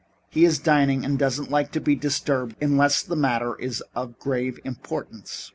He is dining and doesn't like to be disturbed unless the matter is of grave importance."